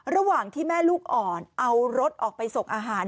ระหว่างที่แม่ลูกอ่อนเอารถออกไปส่งอาหาร